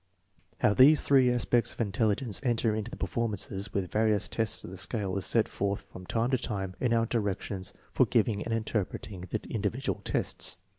1 How these three aspects of intelligence enter into the performances with various tests of the scale is set forth from time to time in our directions for giving and interpreting the individual tests.